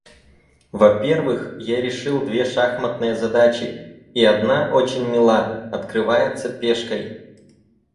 Во-первых, я решил две шахматные задачи, и одна очень мила, — открывается пешкой.